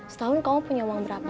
setahun kamu punya uang berapa